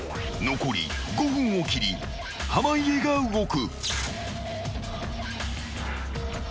残り５分を切り、濱家が動く。